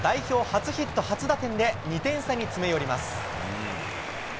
初ヒット初打点で、２点差に詰め寄ります。